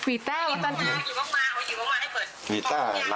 เอามาล่ะ